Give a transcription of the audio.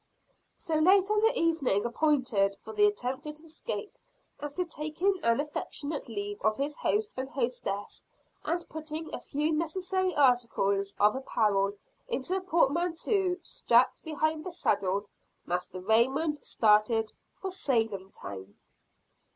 So, late on the evening appointed for the attempted escape, after taking an affectionate leave of his host and hostess, and putting a few necessary articles of apparel into a portmanteau strapped behind the saddle, Master Raymond started for Salem town.